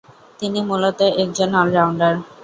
তিনি মূলতঃ একজন অল-রাউন্ডার।